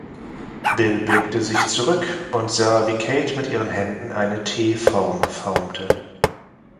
Bill blickte sich zurück und sah, wie Kate mit ihren Händen eine T-Form formte.